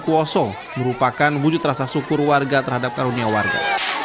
kuoso merupakan wujud rasa syukur warga terhadap karunia warga